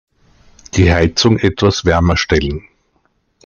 Die Heizung etwas wärmer stellen.